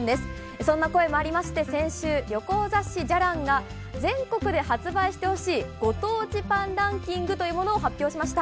そんな声もありまして先週、旅行雑誌『じゃらん』が全国で発売してほしい、ご当地パンランキングを発表しました。